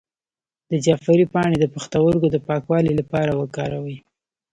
د جعفری پاڼې د پښتورګو د پاکوالي لپاره وکاروئ